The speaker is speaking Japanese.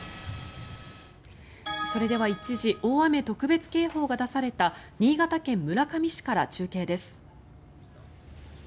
それでは一時、大雨特別警報が出された新潟県村上市から中継です。